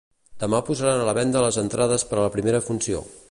Demà posaran a la venda les entrades per a la primera funció.